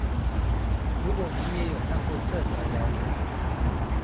如果你也有看過這則謠言